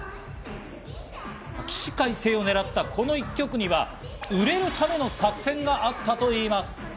起死回生を狙ったこの一曲には売れるための作戦があったといいます。